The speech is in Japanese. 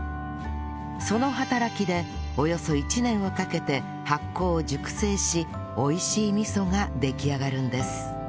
その働きでおよそ１年をかけて発酵熟成し美味しい味噌が出来上がるんです